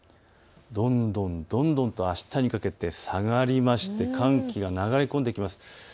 どんどんあしたにかけて下がりまして寒気が流れ込んできます。